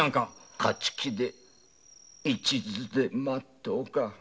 勝ち気で一途でまっとうか。